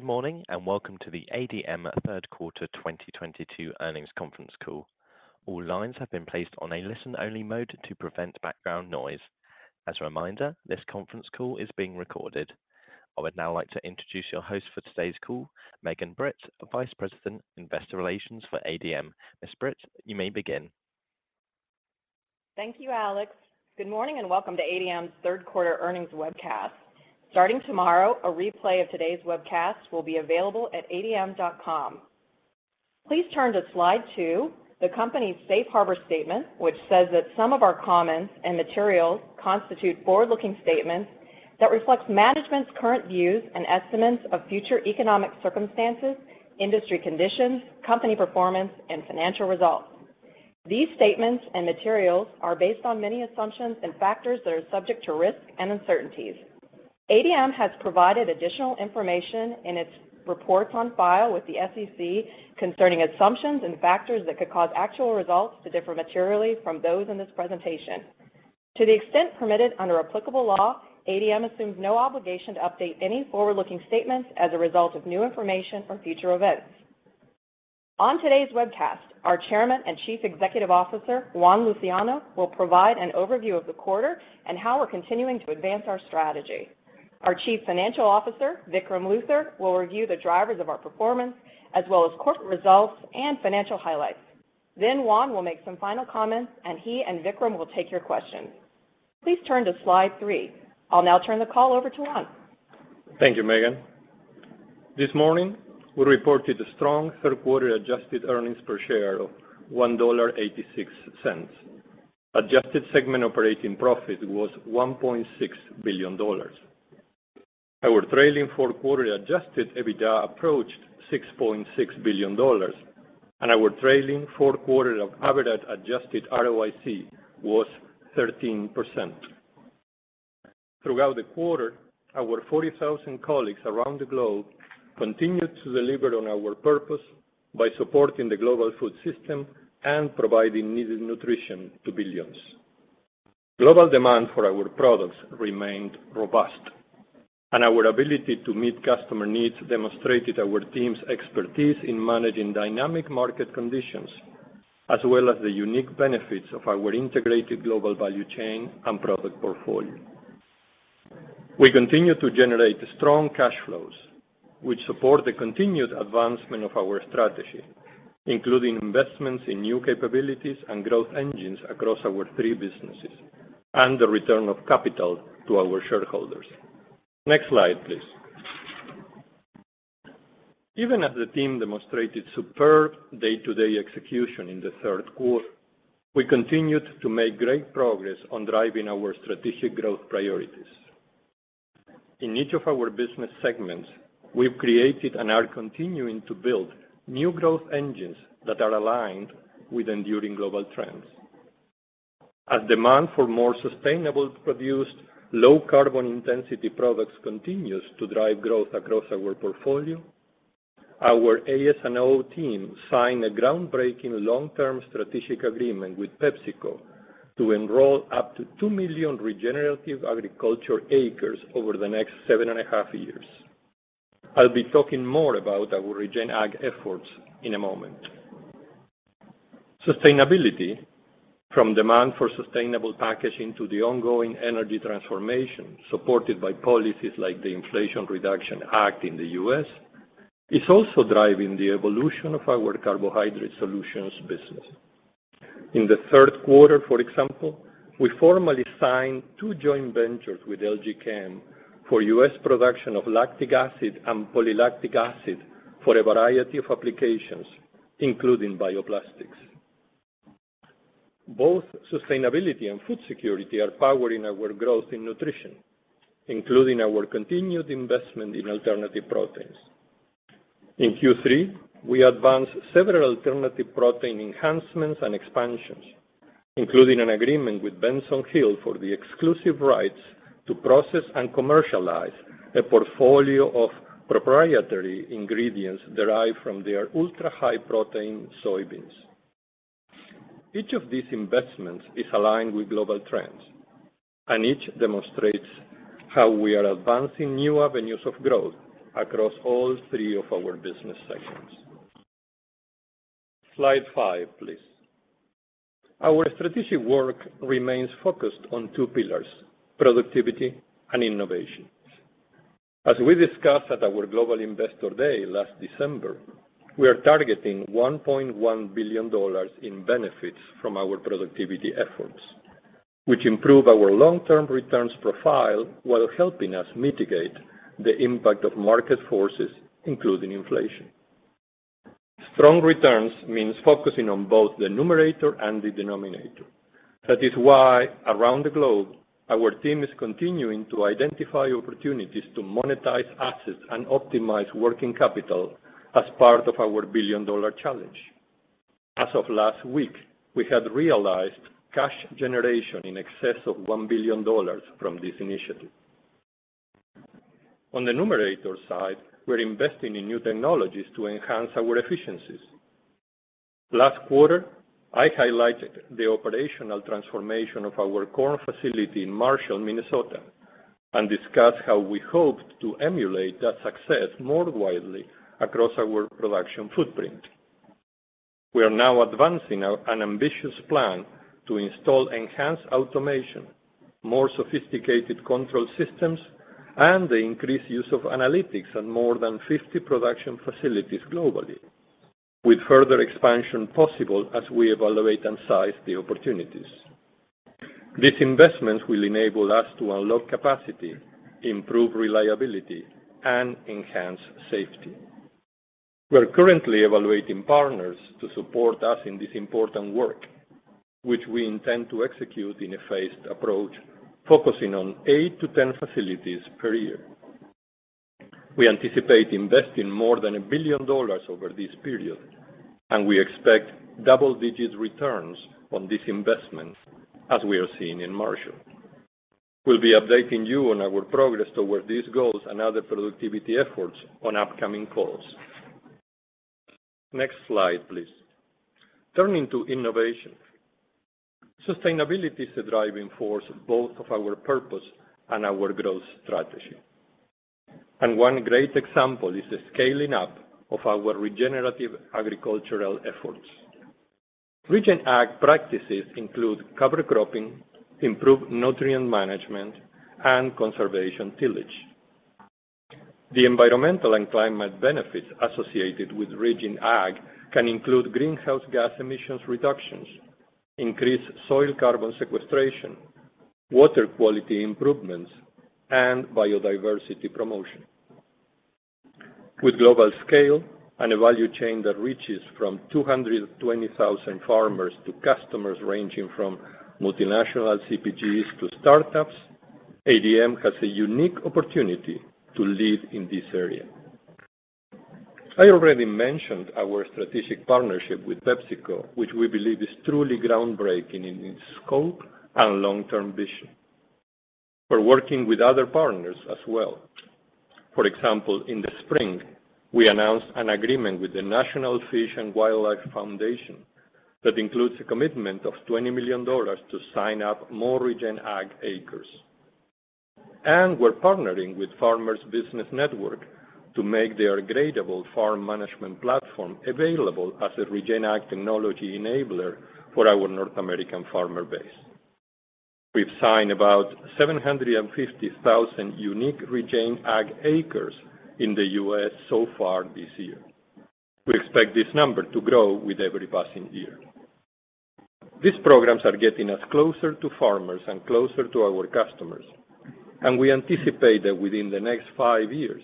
Good morning, and welcome to the ADM third quarter 2022 earnings conference call. All lines have been placed on a listen-only mode to prevent background noise. As a reminder, this conference call is being recorded. I would now like to introduce your host for today's call, Megan Britt, Vice President, Investor Relations for ADM. Ms. Britt, you may begin. Thank you, Alex. Good morning, and welcome to ADM's third quarter earnings webcast. Starting tomorrow, a replay of today's webcast will be available at adm.com. Please turn to slide two, the company's safe harbor statement, which says that some of our comments and materials constitute forward-looking statements that reflects management's current views and estimates of future economic circumstances, industry conditions, company performance, and financial results. These statements and materials are based on many assumptions and factors that are subject to risk and uncertainties. ADM has provided additional information in its reports on file with the SEC concerning assumptions and factors that could cause actual results to differ materially from those in this presentation. To the extent permitted under applicable law, ADM assumes no obligation to update any forward-looking statements as a result of new information or future events. On today's webcast, our Chairman and Chief Executive Officer, Juan Luciano, will provide an overview of the quarter and how we're continuing to advance our strategy. Our Chief Financial Officer, Vikram Luthar, will review the drivers of our performance as well as corporate results and financial highlights. Juan will make some final comments, and he and Vikram will take your questions. Please turn to slide three. I'll now turn the call over to Juan. Thank you, Megan. This morning, we reported a strong third quarter adjusted earnings per share of $1.86. Adjusted segment operating profit was $1.6 billion. Our trailing four-quarter adjusted EBITDA approached $6.6 billion, and our trailing four-quarter average adjusted ROIC was 13%. Throughout the quarter, our 40,000 colleagues around the globe continued to deliver on our purpose by supporting the global food system and providing needed nutrition to billions. Global demand for our products remained robust, and our ability to meet customer needs demonstrated our team's expertise in managing dynamic market conditions as well as the unique benefits of our integrated global value chain and product portfolio. We continue to generate strong cash flows which support the continued advancement of our strategy, including investments in new capabilities and growth engines across our three businesses and the return of capital to our shareholders. Next slide, please. Even as the team demonstrated superb day-to-day execution in the third quarter, we continued to make great progress on driving our strategic growth priorities. In each of our business segments, we've created and are continuing to build new growth engines that are aligned with enduring global trends. As demand for more sustainable produced low carbon intensity products continues to drive growth across our portfolio, our AS&O team signed a groundbreaking long-term strategic agreement with PepsiCo to enroll up to 2 million regenerative agriculture acres over the next 7.5 years. I'll be talking more about our regen ag efforts in a moment. Sustainability, from demand for sustainable packaging to the ongoing energy transformation, supported by policies like the Inflation Reduction Act in the U.S., is also driving the evolution of our Carbohydrate Solutions business. In the third quarter, for example, we formally signed two joint ventures with LG Chem for U.S. production of lactic acid and polylactic acid for a variety of applications, including bioplastics. Both sustainability and food security are powering our growth in nutrition, including our continued investment in alternative proteins. In Q3, we advanced several alternative protein enhancements and expansions, including an agreement with Benson Hill for the exclusive rights to process and commercialize a portfolio of proprietary ingredients derived from their ultra-high-protein soybeans. Each of these investments is aligned with global trends, and each demonstrates how we are advancing new avenues of growth across all three of our business segments. Slide five, please. Our strategic work remains focused on two pillars: productivity and innovation. As we discussed at our Global Investor Day last December, we are targeting $1.1 billion in benefits from our productivity efforts, which improve our long-term returns profile while helping us mitigate the impact of market forces, including inflation. Strong returns means focusing on both the numerator and the denominator. That is why, around the globe, our team is continuing to identify opportunities to monetize assets and optimize working capital as part of our billion-dollar challenge. As of last week, we had realized cash generation in excess of $1 billion from this initiative. On the numerator side, we're investing in new technologies to enhance our efficiencies. Last quarter, I highlighted the operational transformation of our corn facility in Marshall, Minnesota, and discussed how we hoped to emulate that success more widely across our production footprint. We are now advancing an ambitious plan to install enhanced automation, more sophisticated control systems, and the increased use of analytics in more than 50 production facilities globally, with further expansion possible as we evaluate and size the opportunities. These investments will enable us to unlock capacity, improve reliability, and enhance safety. We're currently evaluating partners to support us in this important work, which we intend to execute in a phased approach, focusing on eight to 10 facilities per year. We anticipate investing more than a billion dollars over this period, and we expect double-digit returns on these investments, as we are seeing in Marshall. We'll be updating you on our progress towards these goals and other productivity efforts on upcoming calls. Next slide, please. Turning to innovation. Sustainability is the driving force both of our purpose and our growth strategy. One great example is the scaling up of our regenerative agricultural efforts. Regen Ag practices include cover cropping, improved nutrient management, and conservation tillage. The environmental and climate benefits associated with Regen Ag can include greenhouse gas emissions reductions, increased soil carbon sequestration, water quality improvements, and biodiversity promotion. With global scale and a value chain that reaches from 220,000 farmers to customers ranging from multinational CPGs to startups, ADM has a unique opportunity to lead in this area. I already mentioned our strategic partnership with PepsiCo, which we believe is truly groundbreaking in its scope and long-term vision. We're working with other partners as well. For example, in the spring, we announced an agreement with the National Fish and Wildlife Foundation that includes a commitment of $20 million to sign up more Regen Ag acres. We're partnering with Farmers Business Network to make their Gradable farm management platform available as a Regen Ag technology enabler for our North American farmer base. We've signed about 750,000 unique Regen Ag acres in the U.S. so far this year. We expect this number to grow with every passing year. These programs are getting us closer to farmers and closer to our customers, and we anticipate that within the next five years,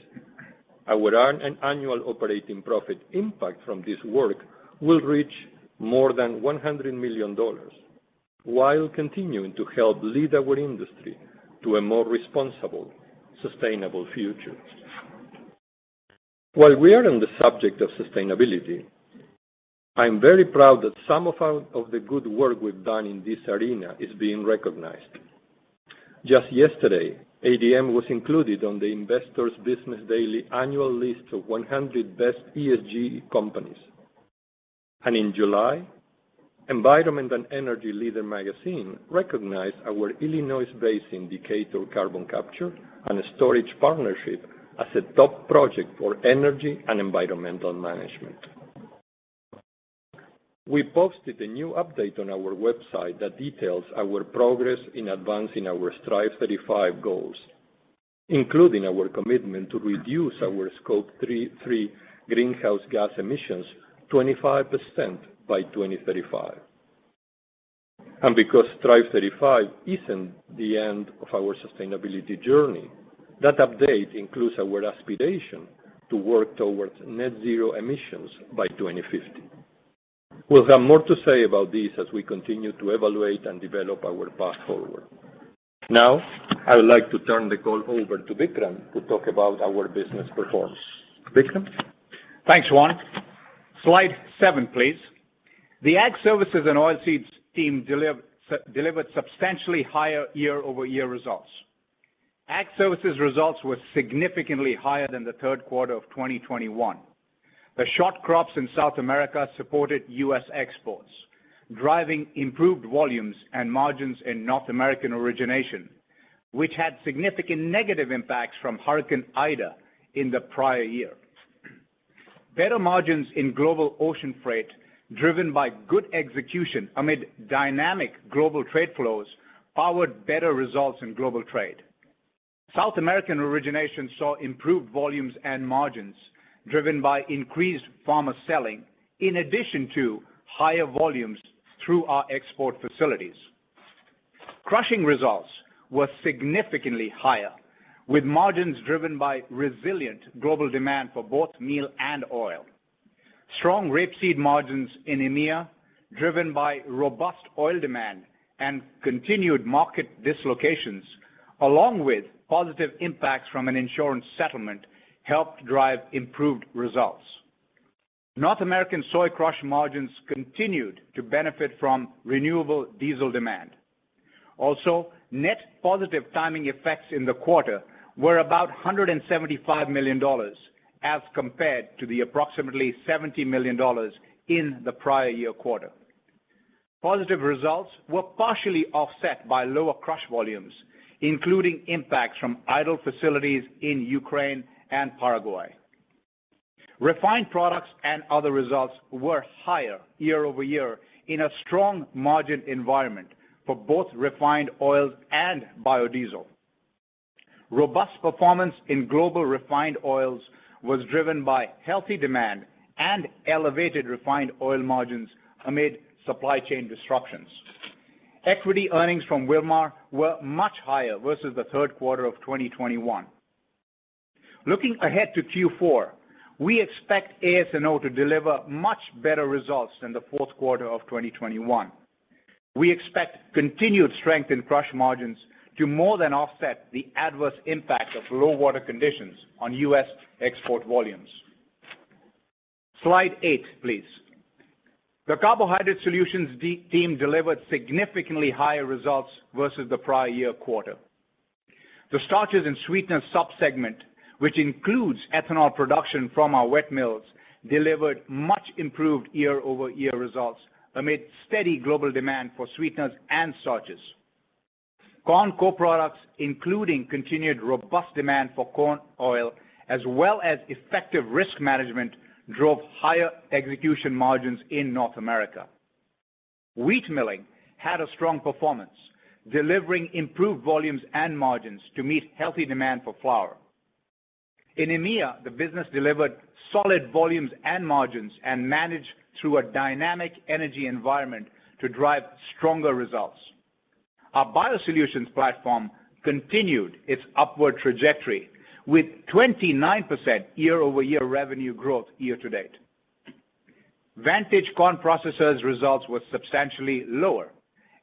our annual operating profit impact from this work will reach more than $100 million while continuing to help lead our industry to a more responsible, sustainable future. While we are on the subject of sustainability, I'm very proud that some of our good work we've done in this arena is being recognized. Just yesterday, ADM was included on the Investor's Business Daily annual list of 100 best ESG companies. In July, Environment + Energy Leader magazine recognized our Illinois Basin-Decatur Project as a top project for energy and environmental management. We posted a new update on our website that details our progress in advancing our Strive 35 goals, including our commitment to reduce our Scope 3 greenhouse gas emissions 25% by 2035. Because Strive 35 isn't the end of our sustainability journey, that update includes our aspiration to work towards net zero emissions by 2050. We'll have more to say about this as we continue to evaluate and develop our path forward. Now, I would like to turn the call over to Vikram to talk about our business performance. Vikram? Thanks, Juan. Slide seven, please. The Ag Services and Oilseeds team delivered substantially higher year-over-year results. Ag Services results were significantly higher than the third quarter of 2021. The short crops in South America supported U.S. exports, driving improved volumes and margins in North American origination, which had significant negative impacts from Hurricane Ida in the prior year. Better margins in global ocean freight, driven by good execution amid dynamic global trade flows, powered better results in global trade. South American origination saw improved volumes and margins driven by increased farmer selling, in addition to higher volumes through our export facilities. Crushing results were significantly higher, with margins driven by resilient global demand for both meal and oil. Strong rapeseed margins in EMEA, driven by robust oil demand and continued market dislocations, along with positive impacts from an insurance settlement, helped drive improved results. North American soy crush margins continued to benefit from renewable diesel demand. Also, net positive timing effects in the quarter were about $175 million as compared to the approximately $70 million in the prior year quarter. Positive results were partially offset by lower crush volumes, including impacts from idle facilities in Ukraine and Paraguay. Refined products and other results were higher year-over-year in a strong margin environment for both refined oils and biodiesel. Robust performance in global refined oils was driven by healthy demand and elevated refined oil margins amid supply chain disruptions. Equity earnings from Wilmar were much higher versus the third quarter of 2021. Looking ahead to Q4, we expect AS&O to deliver much better results than the fourth quarter of 2021. We expect continued strength in crush margins to more than offset the adverse impact of low water conditions on U.S. export volumes. Slide eight, please. The Carbohydrate Solutions team delivered significantly higher results versus the prior year quarter. The starches and sweeteners sub-segment, which includes ethanol production from our wet mills, delivered much improved year-over-year results amid steady global demand for sweeteners and starches. Corn co-products, including continued robust demand for corn oil, as well as effective risk management, drove higher execution margins in North America. Wheat milling had a strong performance, delivering improved volumes and margins to meet healthy demand for flour. In EMEA, the business delivered solid volumes and margins and managed through a dynamic energy environment to drive stronger results. Our BioSolutions platform continued its upward trajectory with 29% year-over-year revenue growth year to date. Vantage Corn Processors results were substantially lower.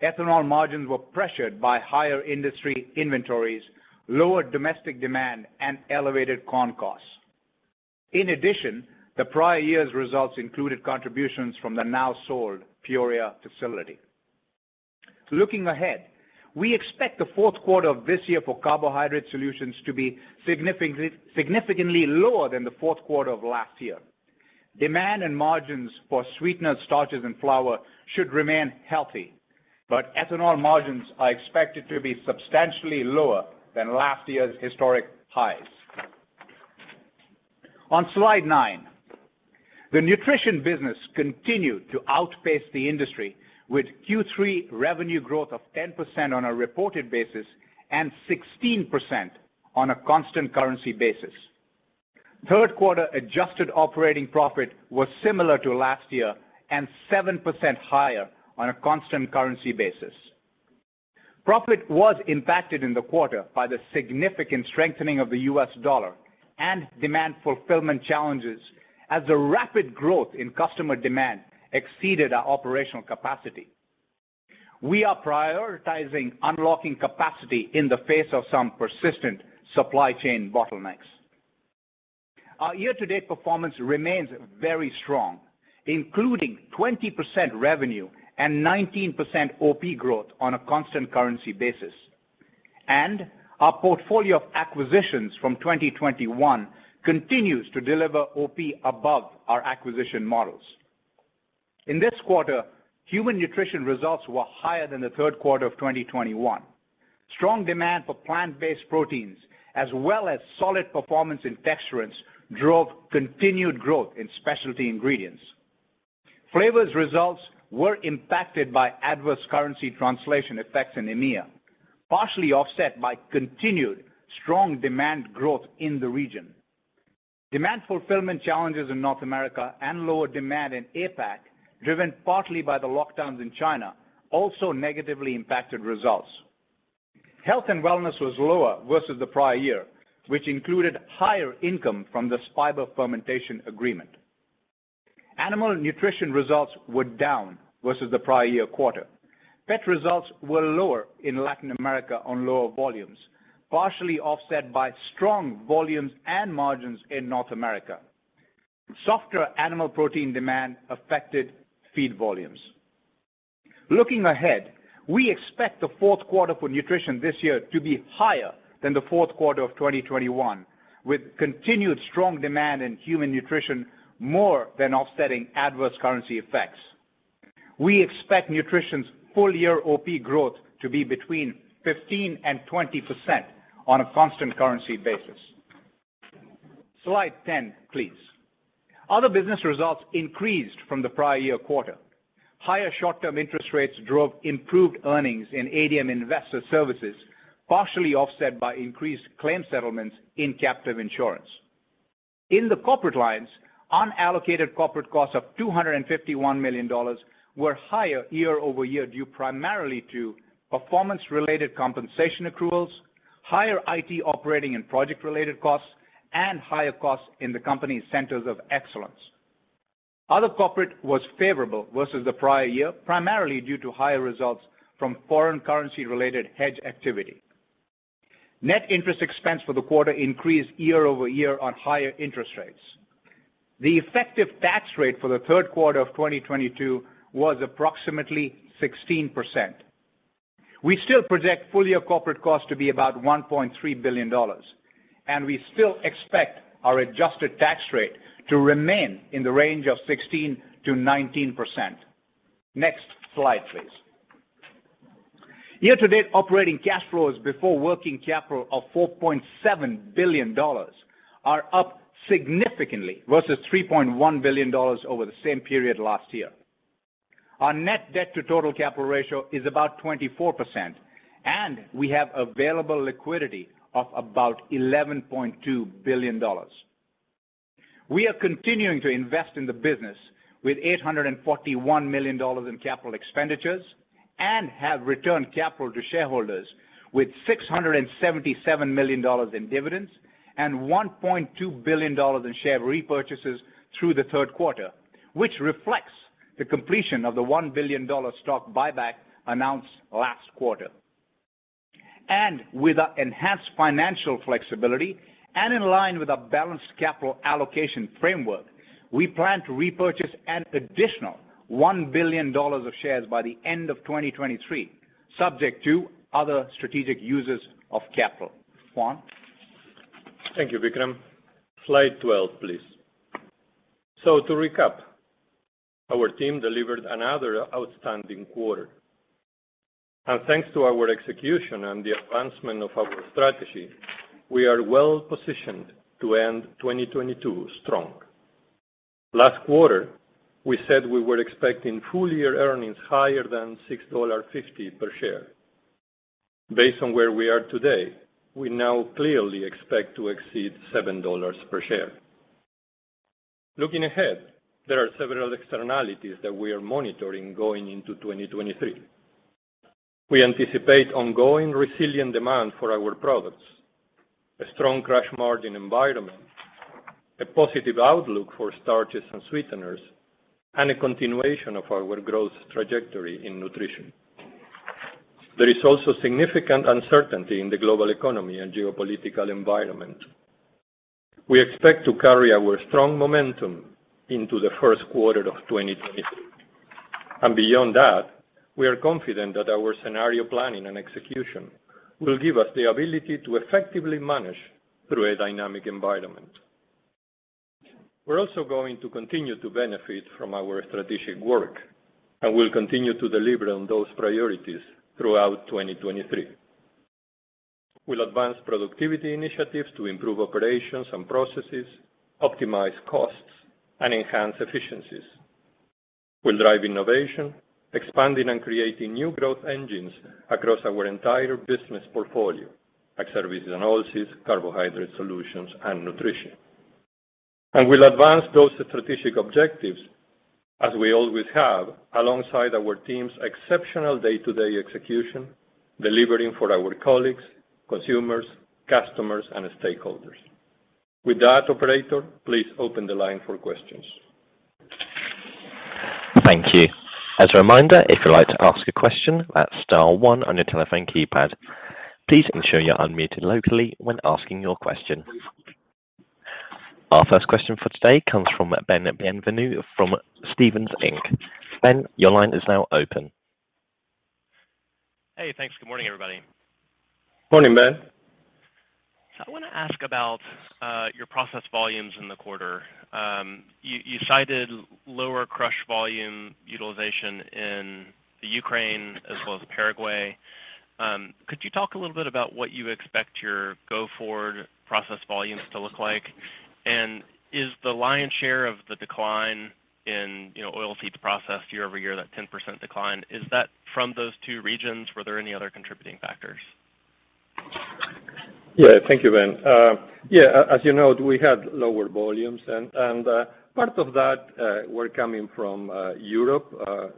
Ethanol margins were pressured by higher industry inventories, lower domestic demand, and elevated corn costs. In addition, the prior year's results included contributions from the now sold Peoria facility. Looking ahead, we expect the fourth quarter of this year for Carbohydrate Solutions to be significantly lower than the fourth quarter of last year. Demand and margins for sweeteners, starches, and flour should remain healthy, but ethanol margins are expected to be substantially lower than last year's historic highs. On slide nine, the nutrition business continued to outpace the industry with Q3 revenue growth of 10% on a reported basis and 16% on a constant currency basis. Third quarter adjusted operating profit was similar to last year and 7% higher on a constant currency basis. Profit was impacted in the quarter by the significant strengthening of the U.S. dollar and demand fulfillment challenges as the rapid growth in customer demand exceeded our operational capacity. We are prioritizing unlocking capacity in the face of some persistent supply chain bottlenecks. Our year-to-date performance remains very strong, including 20% revenue and 19% OP growth on a constant currency basis. Our portfolio of acquisitions from 2021 continues to deliver OP above our acquisition models. In this quarter, human nutrition results were higher than the third quarter of 2021. Strong demand for plant-based proteins, as well as solid performance in texturants, drove continued growth in specialty ingredients. Flavors results were impacted by adverse currency translation effects in EMEA, partially offset by continued strong demand growth in the region. Demand fulfillment challenges in North America and lower demand in APAC, driven partly by the lockdowns in China, also negatively impacted results. Health and wellness was lower versus the prior year, which included higher income from this fiber fermentation agreement. Animal nutrition results were down versus the prior year quarter. Pet results were lower in Latin America on lower volumes, partially offset by strong volumes and margins in North America. Softer animal protein demand affected feed volumes. Looking ahead, we expect the fourth quarter for nutrition this year to be higher than the fourth quarter of 2021, with continued strong demand in human nutrition more than offsetting adverse currency effects. We expect nutrition's full year OP growth to be between 15% and 20% on a constant currency basis. Slide 10, please. Other business results increased from the prior year quarter. Higher short-term interest rates drove improved earnings in ADM Investor Services, partially offset by increased claim settlements in captive insurance. In the corporate lines, unallocated corporate costs of $251 million were higher year over year, due primarily to performance-related compensation accruals, higher IT operating and project-related costs, and higher costs in the company's centers of excellence. Other corporate was favorable versus the prior year, primarily due to higher results from foreign currency-related hedge activity. Net interest expense for the quarter increased year-over-year on higher interest rates. The effective tax rate for the third quarter of 2022 was approximately 16%. We still project full year corporate cost to be about $1.3 billion, and we still expect our adjusted tax rate to remain in the range of 16%-19%. Next slide, please. Year-to-date operating cash flows before working capital of $4.7 billion are up significantly versus $3.1 billion over the same period last year. Our net debt to total capital ratio is about 24%, and we have available liquidity of about $11.2 billion. We are continuing to invest in the business with $841 million in capital expenditures and have returned capital to shareholders with $677 million in dividends and $1.2 billion in share repurchases through the third quarter, which reflects the completion of the $1 billion stock buyback announced last quarter. With our enhanced financial flexibility and in line with our balanced capital allocation framework, we plan to repurchase an additional $1 billion of shares by the end of 2023, subject to other strategic uses of capital. Juan? Thank you, Vikram. Slide 12, please. To recap, our team delivered another outstanding quarter. Thanks to our execution and the advancement of our strategy, we are well positioned to end 2022 strong. Last quarter, we said we were expecting full year earnings higher than $6.50 per share. Based on where we are today, we now clearly expect to exceed $7 per share. Looking ahead, there are several externalities that we are monitoring going into 2023. We anticipate ongoing resilient demand for our products, a strong crush margin environment, a positive outlook for starches and sweeteners, and a continuation of our growth trajectory in nutrition. There is also significant uncertainty in the global economy and geopolitical environment. We expect to carry our strong momentum into the first quarter of 2023. Beyond that, we are confident that our scenario planning and execution will give us the ability to effectively manage through a dynamic environment. We're also going to continue to benefit from our strategic work, and we'll continue to deliver on those priorities throughout 2023. We'll advance productivity initiatives to improve operations and processes, optimize costs, and enhance efficiencies. We'll drive innovation, expanding and creating new growth engines across our entire business portfolio, like Ag Services & Oilseeds, Carbohydrate Solutions, and Nutrition. We'll advance those strategic objectives as we always have, alongside our team's exceptional day-to-day execution, delivering for our colleagues, consumers, customers, and stakeholders. With that, operator, please open the line for questions. Thank you. As a reminder, if you'd like to ask a question, that's star one on your telephone keypad. Please ensure you're unmuted locally when asking your question. Our first question for today comes from Benjamin Bienvenu from Stephens Inc. Ben, your line is now open. Hey, thanks. Good morning, everybody. Morning, Ben. I wanna ask about your processing volumes in the quarter. You cited lower crush volume utilization in Ukraine as well as Paraguay. Could you talk a little bit about what you expect your go-forward processing volumes to look like? Is the lion's share of the decline in, you know, oilseeds processed year-over-year, that 10% decline, from those two regions? Were there any other contributing factors? Yeah. Thank you, Ben. Yeah, as you note, we had lower volumes. Part of that were coming from Europe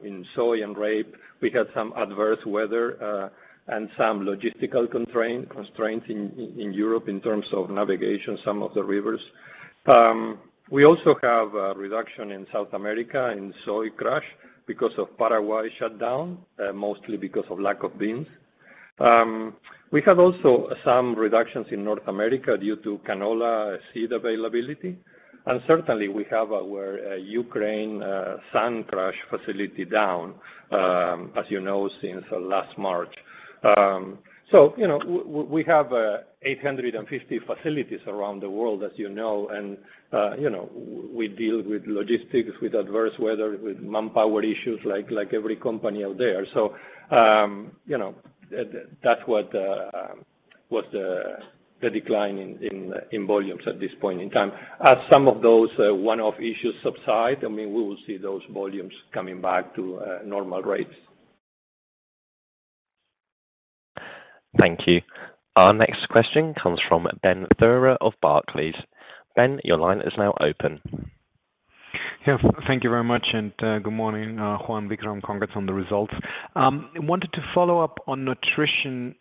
in soy and rape. We had some adverse weather and some logistical constraints in Europe in terms of navigation, some of the rivers. We also have a reduction in South America in soy crush because of Paraguay shutdown, mostly because of lack of beans. We have also some reductions in North America due to canola seed availability. Certainly, we have our Ukraine sun crush facility down, as you know, since last March. You know, we have 850 facilities around the world, as you know. You know, we deal with logistics, with adverse weather, with manpower issues, like every company out there. You know, that's what the decline in volumes at this point in time. As some of those one-off issues subside, I mean, we will see those volumes coming back to normal rates. Thank you. Our next question comes from Ben Theurer of Barclays. Ben, your line is now open. Yeah. Thank you very much, and good morning, Juan, Vikram. Congrats on the results. Wanted to follow up on nutrition.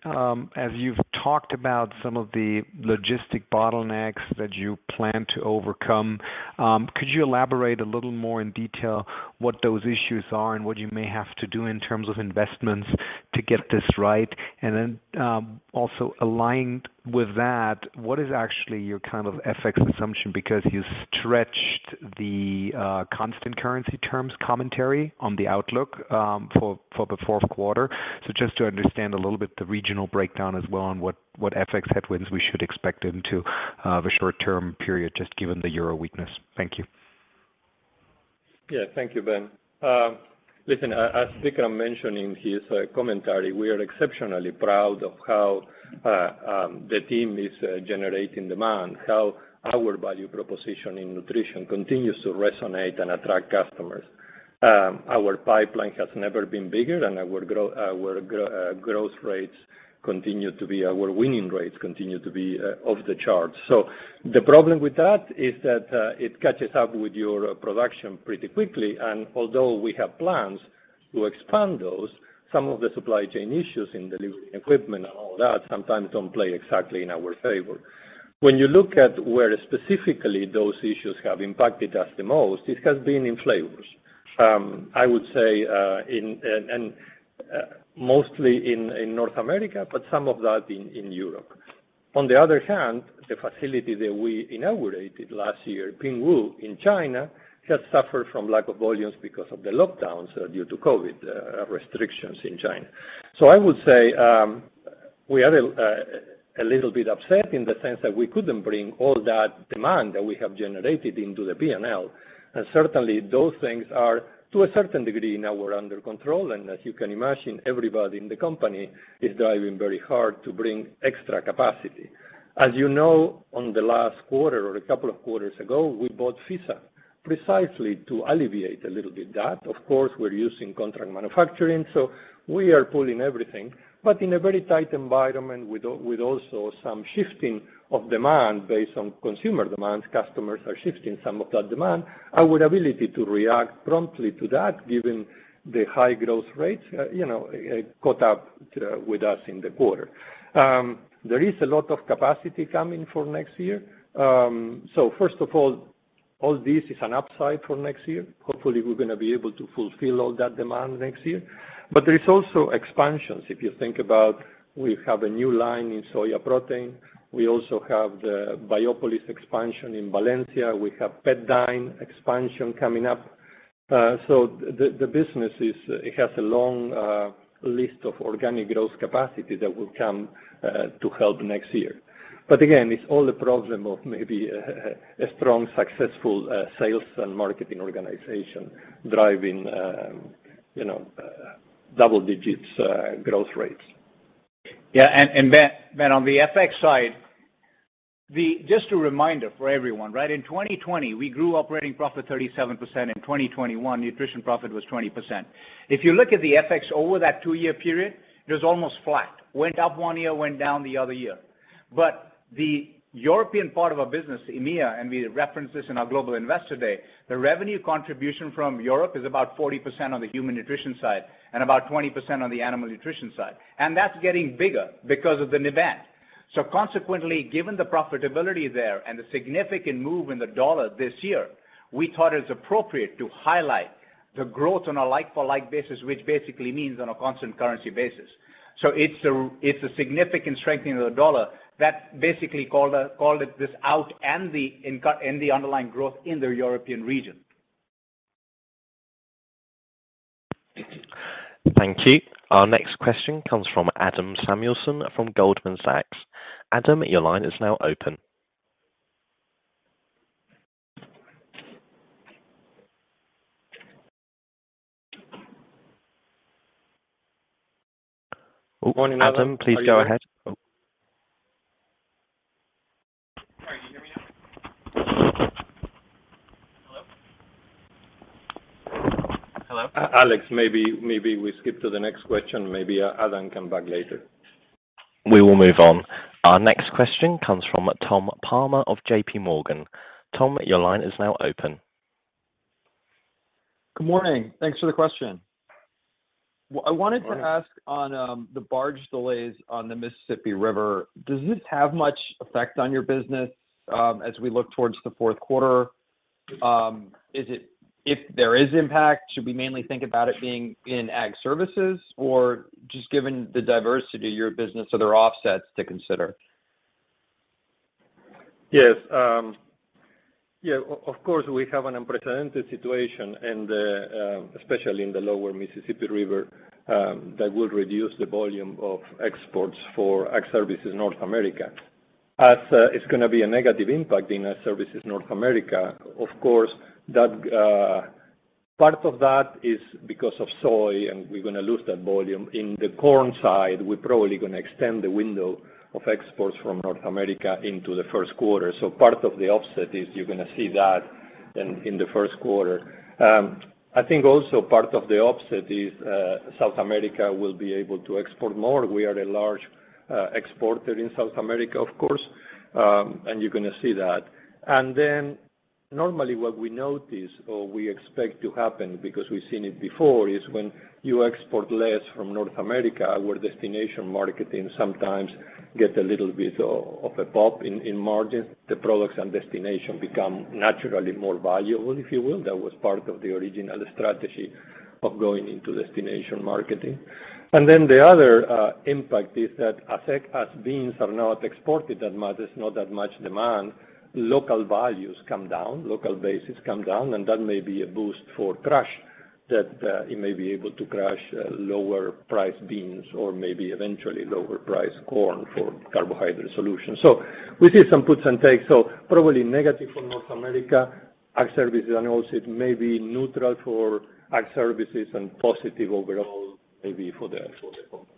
As you've talked about some of the logistic bottlenecks that you plan to overcome, could you elaborate a little more in detail what those issues are and what you may have to do in terms of investments? To get this right, and then, also aligned with that, what is actually your kind of FX assumption? Because you stretched the constant currency terms commentary on the outlook for the fourth quarter. Just to understand a little bit the regional breakdown as well on what FX headwinds we should expect into the short-term period, just given the Euro weakness. Thank you. Yeah. Thank you, Ben. Listen, as Vikram mentioned in his commentary, we are exceptionally proud of how the team is generating demand, how our value proposition in nutrition continues to resonate and attract customers. Our pipeline has never been bigger, and our winning rates continue to be off the charts. The problem with that is that it catches up with your production pretty quickly. Although we have plans to expand those, some of the supply chain issues in delivering equipment and all that sometimes don't play exactly in our favor. When you look at where specifically those issues have impacted us the most, it has been in flavors. I would say mostly in North America, but some of that in Europe. On the other hand, the facility that we inaugurated last year, Pinghu in China, has suffered from lack of volumes because of the lockdowns due to COVID restrictions in China. I would say we are a little bit upset in the sense that we couldn't bring all that demand that we have generated into the P&L. Certainly those things are, to a certain degree, now under control. As you can imagine, everybody in the company is driving very hard to bring extra capacity. As you know, on the last quarter or a couple of quarters ago, we bought FISA precisely to alleviate a little bit that. Of course, we're using contract manufacturing, so we are pulling everything. In a very tight environment with also some shifting of demand based on consumer demands, customers are shifting some of that demand. Our ability to react promptly to that, given the high growth rates, you know, caught up with us in the quarter. There is a lot of capacity coming for next year. All this is an upside for next year. Hopefully, we're gonna be able to fulfill all that demand next year. There is also expansions. If you think about we have a new line in soy protein. We also have the Biopolis expansion in Valencia. We have PetDine expansion coming up. The business is, it has a long list of organic growth capacity that will come to help next year. Again, it's all a problem of maybe a strong, successful sales and marketing organization driving, you know, double digits growth rates. Yeah, Ben, on the FX side. Just a reminder for everyone, right? In 2020, we grew operating profit 37%. In 2021, nutrition profit was 20%. If you look at the FX over that two-year period, it was almost flat. Went up one year, went down the other year. The European part of our business, EMEA, and we reference this in our Global Investor Day, the revenue contribution from Europe is about 40% on the human nutrition side and about 20% on the animal nutrition side. That's getting bigger because of the Neovia. Consequently, given the profitability there and the significant move in the dollar this year, we thought it was appropriate to highlight the growth on a like for like basis, which basically means on a constant currency basis. It's a significant strengthening of the dollar that basically called this out and the underlying growth in the European region. Thank you. Our next question comes from Adam Samuelson from Goldman Sachs. Adam, your line is now open. Adam, please go ahead. Good morning, Adam. Are you there? Sorry, can you hear me now? Hello? Hello? Alex, maybe we skip to the next question. Maybe Adam come back later. We will move on. Our next question comes from Tom Palmer of JPMorgan. Tom, your line is now open. Good morning. Thanks for the question. Good morning. I wanted to ask on the barge delays on the Mississippi River, does this have much effect on your business as we look towards the fourth quarter? If there is impact, should we mainly think about it being in Ag Services? Or just given the diversity of your business, are there offsets to consider? Yes. Yeah, of course, we have an unprecedented situation in the, especially in the lower Mississippi River, that will reduce the volume of exports for Ag Services North America. As it's gonna be a negative impact in Ag Services North America, of course, that part of that is because of soy, and we're gonna lose that volume. In the corn side, we're probably gonna extend the window of exports from North America into the first quarter. Part of the offset is you're gonna see that in the first quarter. I think also part of the offset is South America will be able to export more. We are a large exporter in South America, of course, and you're gonna see that. Normally what we notice or we expect to happen, because we've seen it before, is when you export less from North America, our destination marketing sometimes get a little bit of a pop in margin. The products and destination become naturally more valuable, if you will. That was part of the original strategy of going into destination marketing. The other impact is that as beans are not exported that much, there's not that much demand, local values come down, local bases come down, and that may be a boost for crush, you may be able to crush lower priced beans or maybe eventually lower priced corn for Carbohydrate Solutions. We see some puts and takes probably negative for North America Ag Services, and also it may be neutral for Ag Services and positive overall maybe for the company.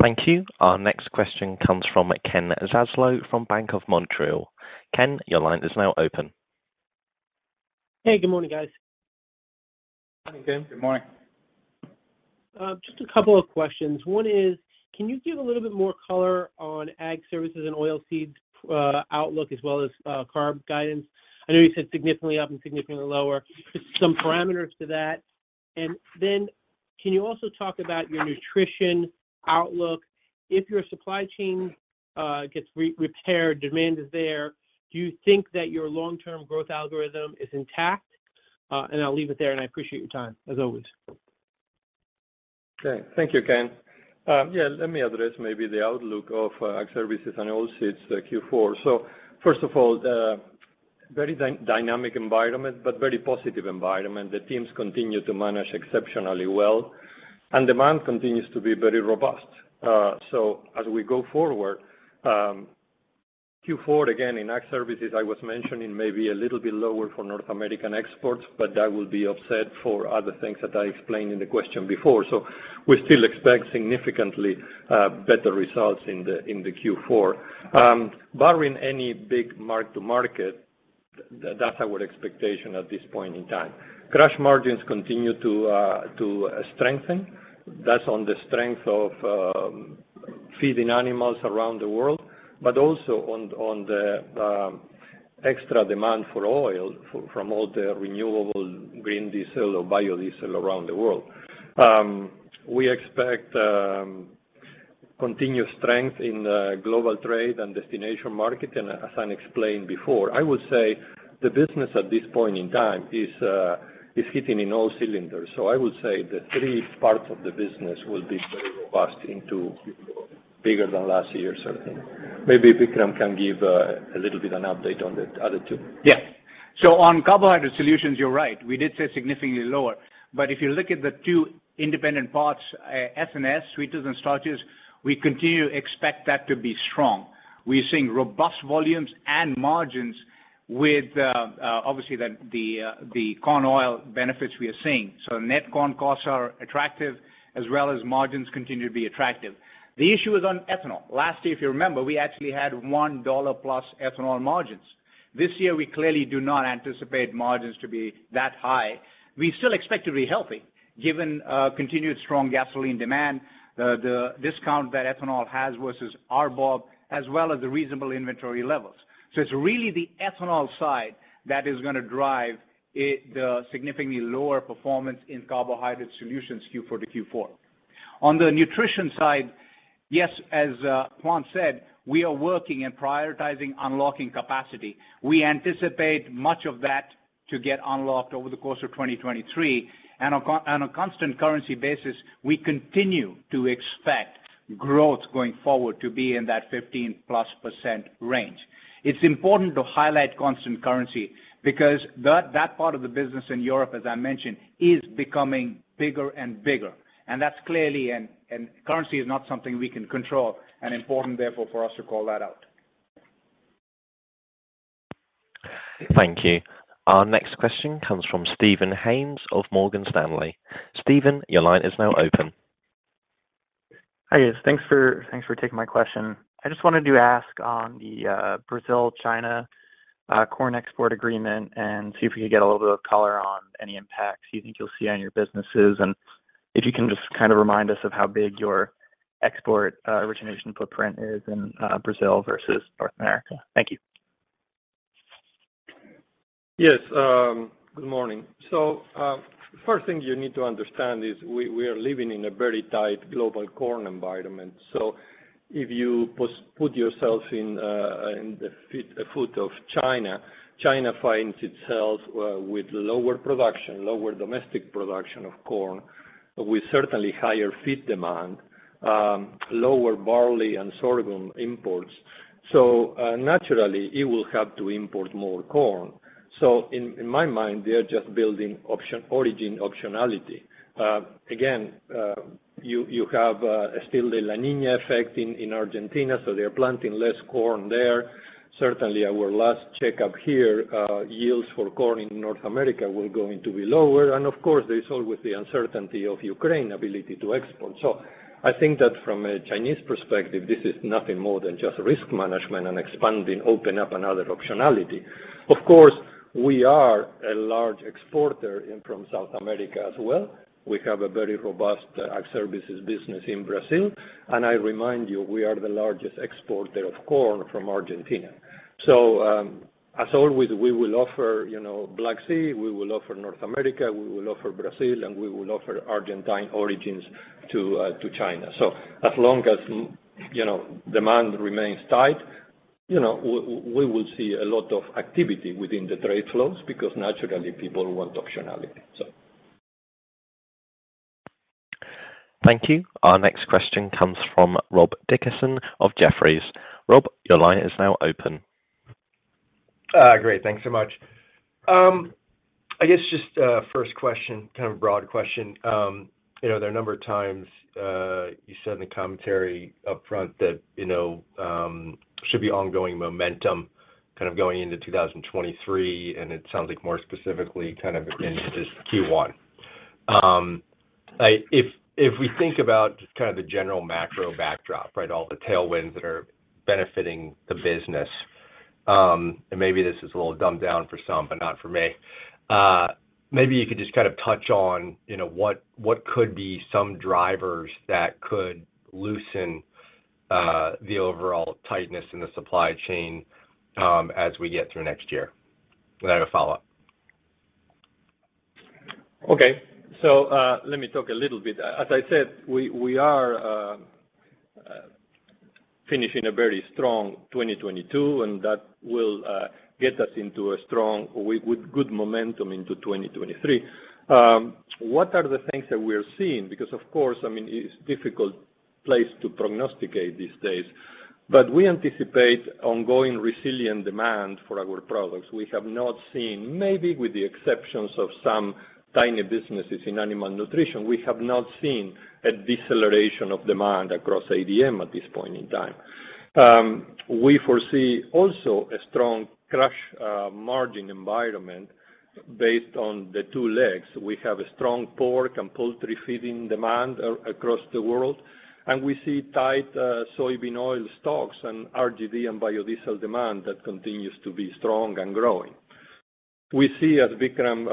Thank you. Our next question comes from Ken Zaslow from Bank of Montreal. Ken, your line is now open. Hey, good morning, guys. Morning, Ken. Good morning. Just a couple of questions. One is, can you give a little bit more color on Ag Services and Oilseeds outlook as well as carb guidance? I know you said significantly up and significantly lower. Just some parameters to that. Can you also talk about your nutrition outlook? If your supply chain gets repaired, demand is there, do you think that your long-term growth algorithm is intact? I'll leave it there, and I appreciate your time, as always. Okay. Thank you, Ken. Yeah, let me address maybe the outlook of Ag Services and Oilseeds Q4. First of all, very dynamic environment, but very positive environment. The teams continue to manage exceptionally well, and demand continues to be very robust. As we go forward, Q4, again, in Ag Services, I was mentioning maybe a little bit lower for North American exports, but that will be offset for other things that I explained in the question before. We still expect significantly better results in the Q4. Barring any big mark-to-market, that's our expectation at this point in time. Crush margins continue to strengthen. That's on the strength of feeding animals around the world, but also on the extra demand for oil from all the renewable green diesel or biodiesel around the world. We expect continuous strength in global trade and destination market. As I explained before, I would say the business at this point in time is hitting on all cylinders. I would say the three parts of the business will be very robust into Q4, bigger than last year, certainly. Maybe Vikram can give a little bit an update on the other two. Yeah. On Carbohydrate Solutions, you're right. We did say significantly lower. If you look at the two independent parts, FNS, sweeteners and starches, we continue to expect that to be strong. We're seeing robust volumes and margins with obviously the corn oil benefits we are seeing. Net corn costs are attractive as well as margins continue to be attractive. The issue is on ethanol. Last year, if you remember, we actually had $1+ ethanol margins. This year, we clearly do not anticipate margins to be that high. We still expect to be healthy given continued strong gasoline demand, the discount that ethanol has versus RBOB, as well as the reasonable inventory levels. It's really the ethanol side that is gonna drive it, the significantly lower performance in Carbohydrate Solutions Q4 to Q4. On the nutrition side, yes, as Juan said, we are working and prioritizing unlocking capacity. We anticipate much of that to get unlocked over the course of 2023. On a constant currency basis, we continue to expect growth going forward to be in that 15%+ range. It's important to highlight constant currency because that part of the business in Europe, as I mentioned, is becoming bigger and bigger. That's clearly, and currency is not something we can control, and important, therefore, for us to call that out. Thank you. Our next question comes from Steven Haynes of Morgan Stanley. Steven, your line is now open. Hi, guys. Thanks for taking my question. I just wanted to ask on the Brazil-China corn export agreement and see if we could get a little bit of color on any impacts you think you'll see on your businesses, and if you can just kind of remind us of how big your export origination footprint is in Brazil versus North America. Thank you. Yes, good morning. First thing you need to understand is we are living in a very tight global corn environment. If you put yourself in the shoes of China finds itself with lower production, lower domestic production of corn, with certainly higher feed demand, lower barley and sorghum imports. Naturally, it will have to import more corn. In my mind, they are just building origination optionality. Again, you have still the La Niña effect in Argentina, so they're planting less corn there. Certainly, our last checkup here, yields for corn in North America were going to be lower, and of course, there's always the uncertainty of Ukraine's ability to export. I think that from a Chinese perspective, this is nothing more than just risk management and expanding, open up another optionality. Of course, we are a large exporter from South America as well. We have a very robust Ag Services business in Brazil, and I remind you, we are the largest exporter of corn from Argentina. As always, we will offer, you know, Black Sea, we will offer North America, we will offer Brazil, and we will offer Argentine origins to China. As long as, you know, demand remains tight, you know, we will see a lot of activity within the trade flows because naturally people want optionality. Thank you. Our next question comes from Rob Dickerson of Jefferies. Rob, your line is now open. Great. Thanks so much. I guess just first question, kind of a broad question. You know, there are a number of times you said in the commentary upfront that, you know, should be ongoing momentum kind of going into 2023, and it sounds like more specifically kind of into this Q1. If we think about just kind of the general macro backdrop, right, all the tailwinds that are benefiting the business, and maybe this is a little dumbed down for some, but not for me. Maybe you could just kind of touch on, you know, what could be some drivers that could loosen the overall tightness in the supply chain, as we get through next year. I have a follow-up. Okay. Let me talk a little bit. As I said, we are finishing a very strong 2022, and that will get us into a strong with good momentum into 2023. What are the things that we're seeing? Because of course, I mean, it's difficult to prognosticate these days. We anticipate ongoing resilient demand for our products. We have not seen, maybe with the exceptions of some tiny businesses in animal nutrition, a deceleration of demand across ADM at this point in time. We foresee also a strong crush margin environment based on the two legs. We have a strong pork and poultry feeding demand across the world, and we see tight soybean oil stocks and RD and biodiesel demand that continues to be strong and growing. We see, as Vikram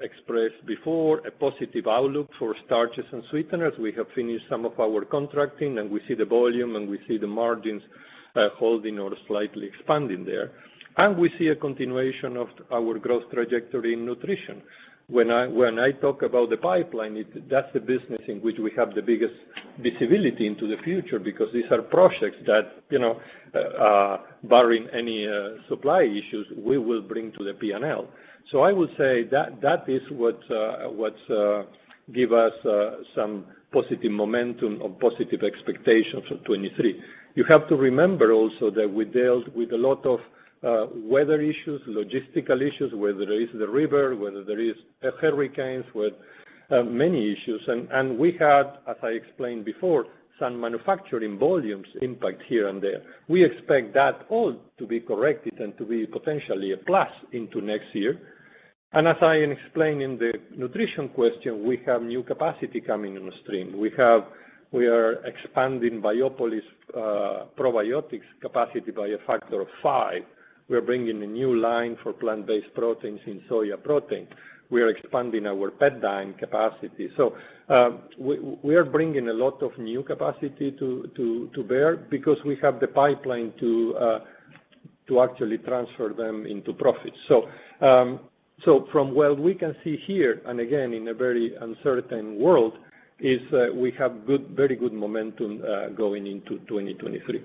expressed before, a positive outlook for starches and sweeteners. We have finished some of our contracting, and we see the volume, and we see the margins holding or slightly expanding there. We see a continuation of our growth trajectory in nutrition. When I talk about the pipeline, that's the business in which we have the biggest visibility into the future because these are projects that, you know, barring any supply issues, we will bring to the P&L. I would say that is what gives us some positive momentum or positive expectations for 2023. You have to remember also that we dealt with a lot of weather issues, logistical issues, whether it is the river, whether there is hurricanes, many issues. We had, as I explained before, some manufacturing volumes impact here and there. We expect that all to be corrected and to be potentially a plus into next year. As I explained in the nutrition question, we have new capacity coming on stream. We are expanding Biopolis probiotic capacity by a factor of five. We are bringing a new line for plant-based proteins and soy proteins. We are expanding our PetDine capacity. We are bringing a lot of new capacity to bear because we have the pipeline to actually transfer them into profits. From what we can see here, and again, in a very uncertain world, is that we have good, very good momentum going into 2023.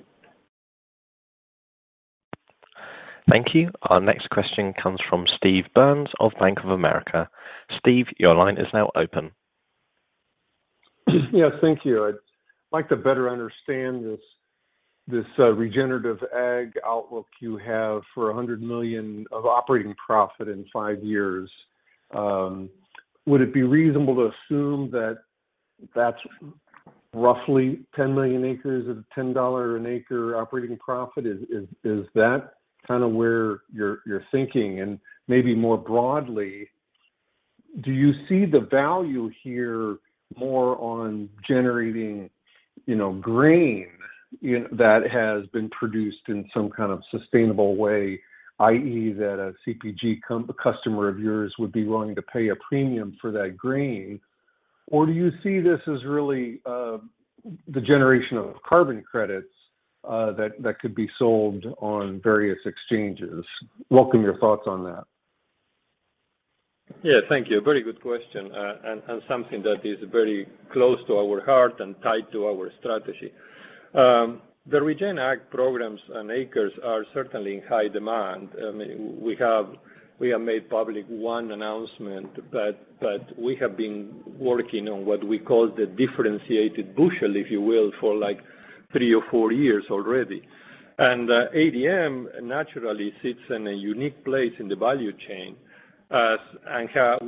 Thank you. Our next question comes from Steve Byrne of Bank of America. Steve, your line is now open. Yes. Thank you. I'd like to better understand this regenerative ag outlook you have for $100 million of operating profit in five years. Would it be reasonable to assume that that's roughly 10 million acres at $10 an acre operating profit? Is that kind of where you're thinking? Maybe more broadly, do you see the value here more on generating, you know, grain, you know, that has been produced in some kind of sustainable way, i.e., that a CPG customer of yours would be willing to pay a premium for that grain? Or do you see this as really the generation of carbon credits that could be sold on various exchanges? Welcome your thoughts on that. Yeah, thank you. Very good question, and something that is very close to our heart and tied to our strategy. The Regen Ag programs and acres are certainly in high demand. I mean, we have made public one announcement, but we have been working on what we call the differentiated bushel, if you will, for like three or four years already. ADM naturally sits in a unique place in the value chain.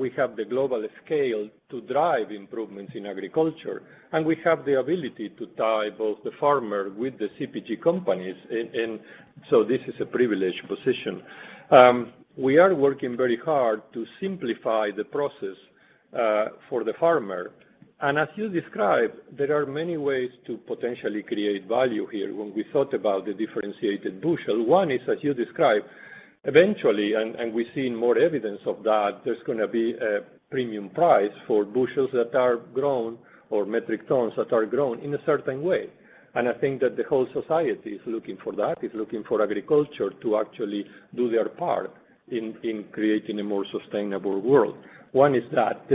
We have the global scale to drive improvements in agriculture, and we have the ability to tie both the farmer with the CPG companies. This is a privileged position. We are working very hard to simplify the process for the farmer. As you described, there are many ways to potentially create value here when we thought about the differentiated bushel. One is, as you described, eventually, and we're seeing more evidence of that, there's gonna be a premium price for bushels that are grown or metric tons that are grown in a certain way. I think that the whole society is looking for that, is looking for agriculture to actually do their part in creating a more sustainable world. One is that.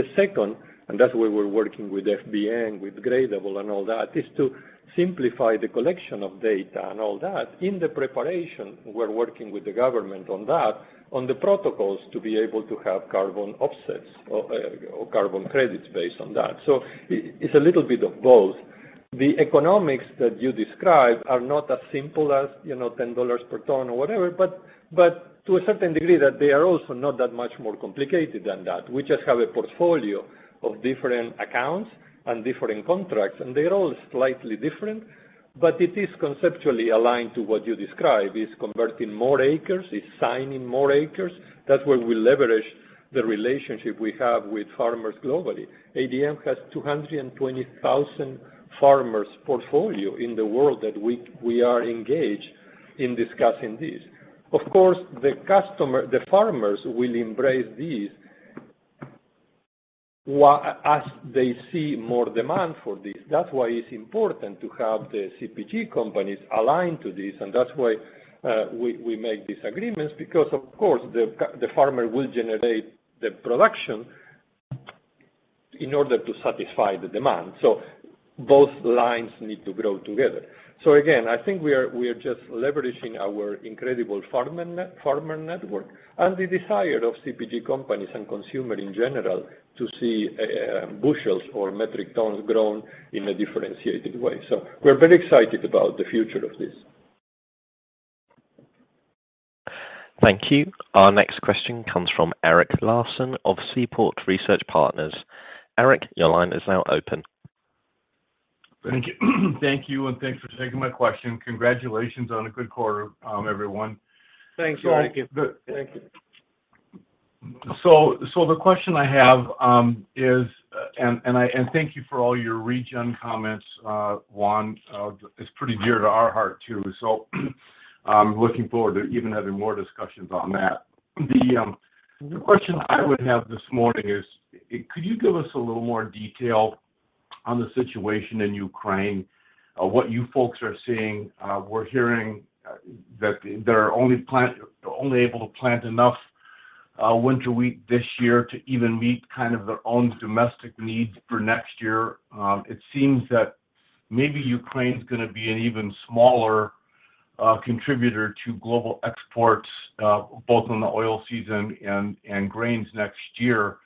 The second, that's why we're working with FBN, with Gradable and all that, is to simplify the collection of data and all that. In the preparation, we're working with the government on that, on the protocols to be able to have carbon offsets or carbon credits based on that. It's a little bit of both. The economics that you described are not as simple as, you know, $10 per ton or whatever, but to a certain degree that they are also not that much more complicated than that. We just have a portfolio of different accounts and different contracts, and they're all slightly different, but it is conceptually aligned to what you described. It's converting more acres. It's signing more acres. That's where we leverage the relationship we have with farmers globally. ADM has 220,000 farmers portfolio in the world that we are engaged in discussing this. Of course, the customer, the farmers will embrace this as they see more demand for this. That's why it's important to have the CPG companies aligned to this, and that's why, we make these agreements because, of course, the farmer will generate the production in order to satisfy the demand. Both lines need to grow together. Again, I think we're just leveraging our incredible farmer network and the desire of CPG companies and consumer in general to see, bushels or metric tons grown in a differentiated way. We're very excited about the future of this. Thank you. Our next question comes from Eric Larson of Seaport Research Partners. Eric, your line is now open. Thank you. Thank you, and thanks for taking my question. Congratulations on a good quarter, everyone. Thanks, Eric Thank you. The question I have. Thank you for all your regen comments, Juan. It's pretty dear to our heart too, so I'm looking forward to even having more discussions on that. The question I would have this morning is, could you give us a little more detail on the situation in Ukraine, what you folks are seeing? We're hearing that they're only able to plant enough winter wheat this year to even meet kind of their own domestic needs for next year. It seems that maybe Ukraine's gonna be an even smaller contributor to global exports, both on the oilseeds and grains next year.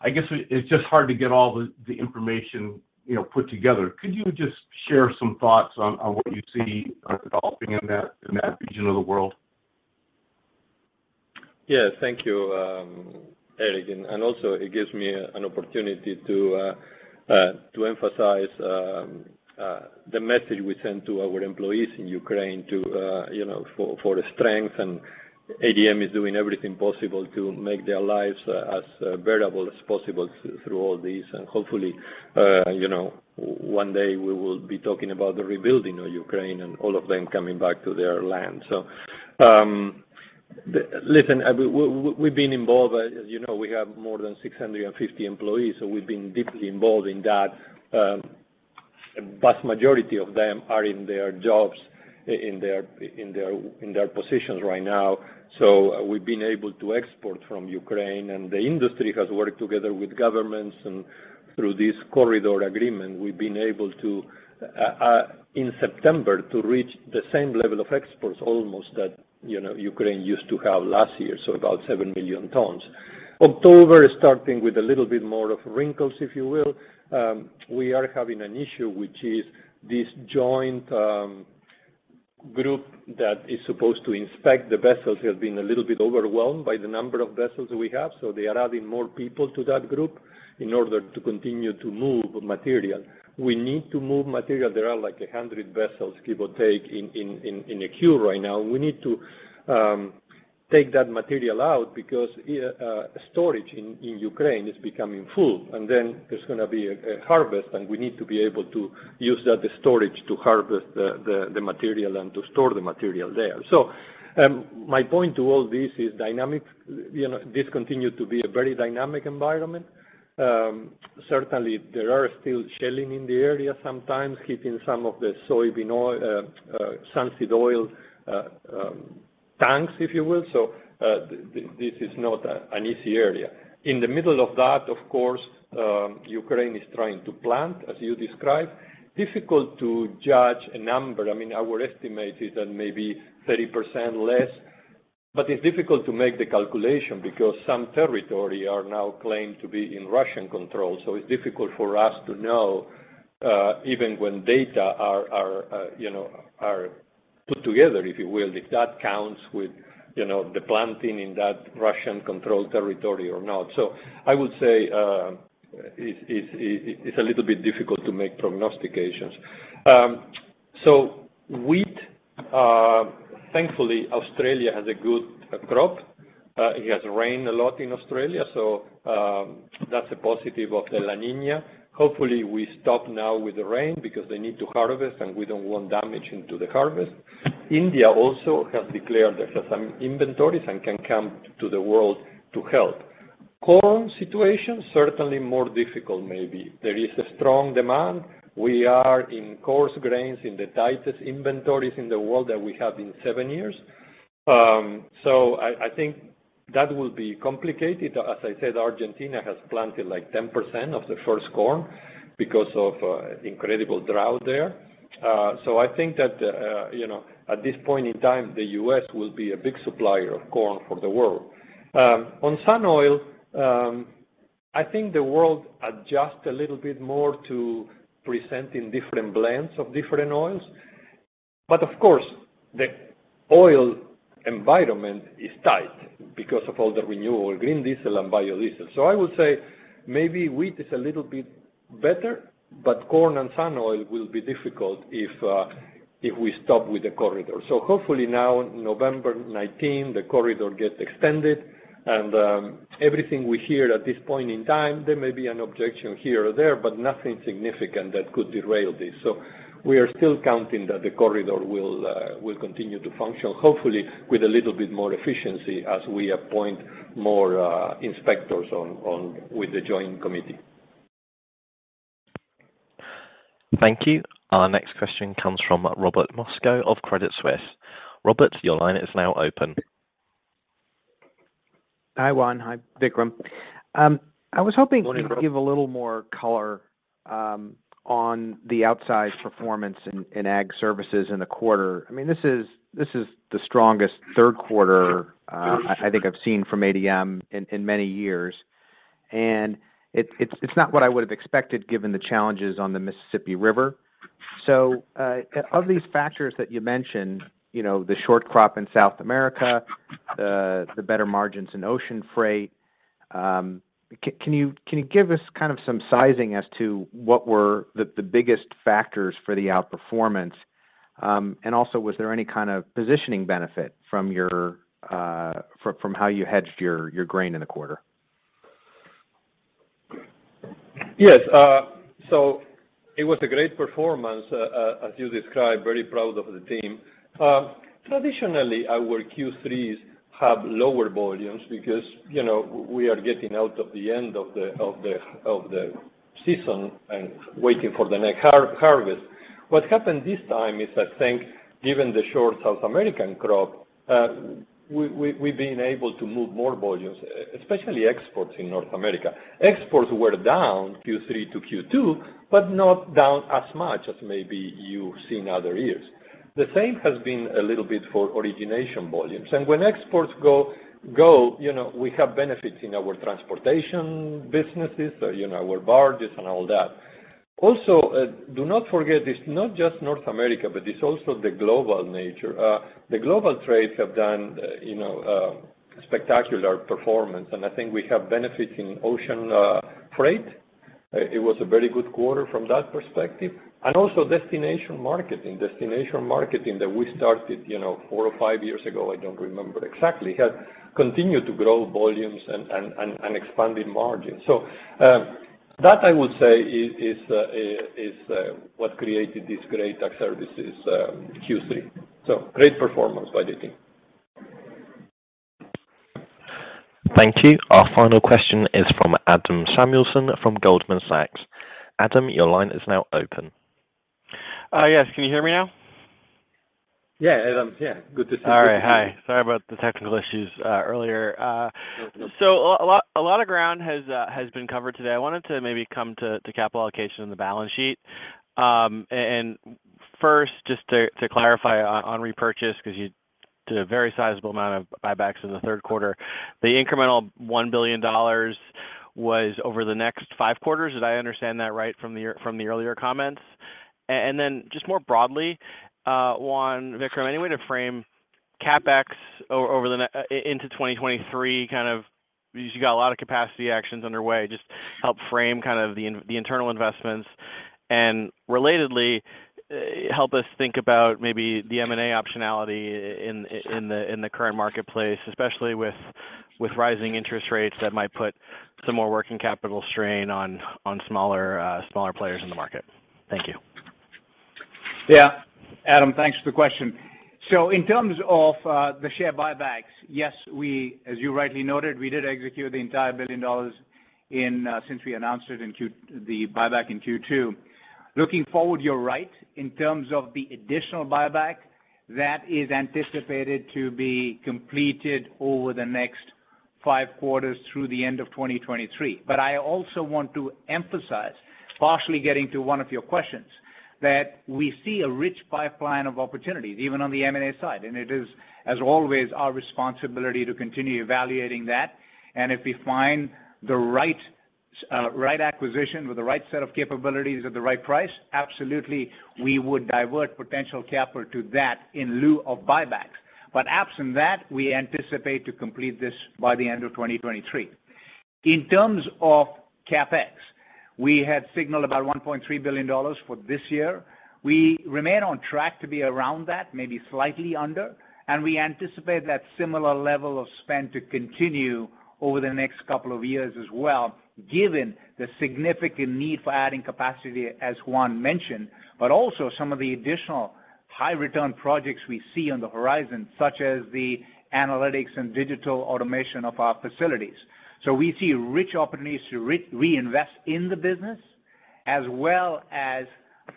I guess it's just hard to get all the information, you know, put together. Could you just share some thoughts on what you see developing in that region of the world? Yeah. Thank you, Eric. Also it gives me an opportunity to emphasize the message we send to our employees in Ukraine to you know, for the strength. ADM is doing everything possible to make their lives as viable as possible through all this. Hopefully one day we will be talking about the rebuilding of Ukraine and all of them coming back to their land. Listen, I mean, we've been involved. As you know, we have more than 650 employees, so we've been deeply involved in that. A vast majority of them are in their jobs, in their positions right now. We've been able to export from Ukraine, and the industry has worked together with governments. Through this corridor agreement, we've been able to in September to reach the same level of exports almost that, you know, Ukraine used to have last year, so about 7 million tons. October is starting with a little bit more of wrinkles, if you will. We are having an issue, which is this joint group that is supposed to inspect the vessels has been a little bit overwhelmed by the number of vessels we have. They are adding more people to that group in order to continue to move material. We need to move material. There are like 100 vessels, give or take, in a queue right now. We need to take that material out because storage in Ukraine is becoming full. There's gonna be a harvest, and we need to be able to use that storage to harvest the material and to store the material there. My point to all this is dynamic. You know, this continues to be a very dynamic environment. Certainly there are still shelling in the area, sometimes hitting some of the soybean oil, sunflower oil, tanks, if you will. This is not an easy area. In the middle of that, of course, Ukraine is trying to plant, as you described. Difficult to judge a number. I mean, our estimate is that maybe 30% less. It's difficult to make the calculation because some territory are now claimed to be in Russian control. It's difficult for us to know, even when data are you know are put together, if you will, if that counts with, you know, the planting in that Russian-controlled territory or not. I would say it's a little bit difficult to make prognostications. Wheat, thankfully, Australia has a good crop. It has rained a lot in Australia, so that's a positive of the La Niña. Hopefully, we stop now with the rain because they need to harvest, and we don't want damage into the harvest. India also has declared there's some inventories and can come to the world to help. Corn situation, certainly more difficult maybe. There is a strong demand. We are in coarse grains in the tightest inventories in the world that we have in seven years. I think that will be complicated. As I said, Argentina has planted like 10% of the first corn because of incredible drought there. I think that, you know, at this point in time, the U.S. will be a big supplier of corn for the world. On sun oil, I think the world adjust a little bit more to presenting different blends of different oils. Of course, the oil environment is tight because of all the renewable green diesel and biodiesel. I would say maybe wheat is a little bit better, but corn and sun oil will be difficult if we stop with the corridor. Hopefully now, November 19, the corridor gets extended. Everything we hear at this point in time, there may be an objection here or there, but nothing significant that could derail this. We are still counting that the corridor will continue to function, hopefully with a little bit more efficiency as we appoint more inspectors on with the joint committee. Thank you. Our next question comes from Robert Moskow of Credit Suisse. Robert, your line is now open. Hi, Juan. Hi, Vikram. I was hoping. Good morning, Robert. You could give a little more color on the outsized performance in Ag Services in the quarter. I mean, this is the strongest third quarter I think I've seen from ADM in many years. It's not what I would have expected given the challenges on the Mississippi River. Of these factors that you mentioned, you know, the short crop in South America, the better margins in ocean freight, can you give us kind of some sizing as to what were the biggest factors for the outperformance? Also, was there any kind of positioning benefit from how you hedged your grain in the quarter? Yes. It was a great performance as you described. Very proud of the team. Traditionally, our Q3s have lower volumes because, you know, we are getting out of the end of the season and waiting for the next harvest. What happened this time is I think given the short South American crop, we've been able to move more volumes, especially exports in North America. Exports were down Q3 to Q2, but not down as much as maybe you've seen other years. The same has been a little bit for origination volumes. When exports go, you know, we have benefits in our transportation businesses, you know, our barges and all that. Also, do not forget, it's not just North America, but it's also the global nature. The global trades have done, you know, spectacular performance, and I think we have benefited in ocean freight. It was a very good quarter from that perspective. Also destination marketing. Destination marketing that we started, you know, four or five years ago, I don't remember exactly, has continued to grow volumes and expanded margins. That I would say is what created this great Ag Services Q3. Great performance by the team. Thank you. Our final question is from Adam Samuelson from Goldman Sachs. Adam, your line is now open. Yes. Can you hear me now? Yeah, Adam. Yeah. Good to see you. All right. Hi. Sorry about the technical issues earlier. No problem. A lot of ground has been covered today. I wanted to maybe come to capital allocation and the balance sheet. First, just to clarify on repurchase because you did a very sizable amount of buybacks in the third quarter. The incremental $1 billion was over the next five quarters. Did I understand that right from the earlier comments? Then just more broadly, Juan, Vikram, any way to frame CapEx over into 2023, kind of, because you got a lot of capacity actions underway. Just help frame kind of the internal investments. Relatedly, help us think about maybe the M&A optionality in the current marketplace, especially with rising interest rates that might put some more working capital strain on smaller players in the market. Thank you. Yeah. Adam, thanks for the question. In terms of the share buybacks, yes, we, as you rightly noted, we did execute the entire $1 billion since we announced it in Q2. Looking forward, you're right. In terms of the additional buyback, that is anticipated to be completed over the next five quarters through the end of 2023. I also want to emphasize, partially getting to one of your questions, that we see a rich pipeline of opportunities, even on the M&A side. It is, as always, our responsibility to continue evaluating that. If we find the right acquisition with the right set of capabilities at the right price, absolutely we would divert potential capital to that in lieu of buyback. Absent that, we anticipate to complete this by the end of 2023. In terms of CapEx, we had signaled about $1.3 billion for this year. We remain on track to be around that, maybe slightly under, and we anticipate that similar level of spend to continue over the next couple of years as well, given the significant need for adding capacity, as Juan mentioned, but also some of the additional high return projects we see on the horizon, such as the analytics and digital automation of our facilities. We see rich opportunities to reinvest in the business as well as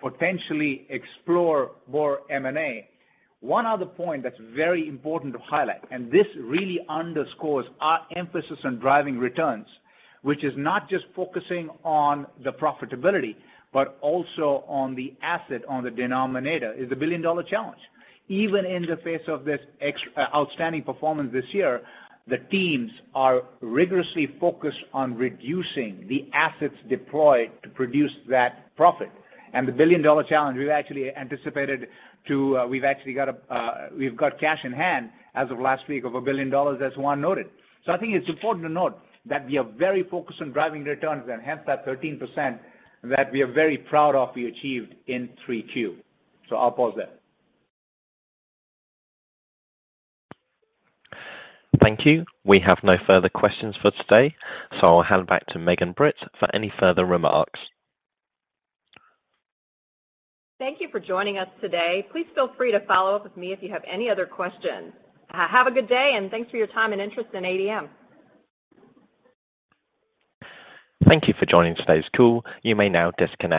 potentially explore more M&A. One other point that's very important to highlight, and this really underscores our emphasis on driving returns, which is not just focusing on the profitability, but also on the asset, on the denominator, is the billion-dollar challenge. Even in the face of this outstanding performance this year, the teams are rigorously focused on reducing the assets deployed to produce that profit. The billion-dollar challenge, we've actually got cash in hand as of last week of a billion dollar, as Juan noted. I think it's important to note that we are very focused on driving returns, and hence that 13% that we are very proud of we achieved in 3Q. I'll pause there. Thank you. We have no further questions for today, so I'll hand back to Megan Britt for any further remarks. Thank you for joining us today. Please feel free to follow up with me if you have any other questions. Have a good day and thanks for your time and interest in ADM. Thank you for joining today's call. You may now disconnect.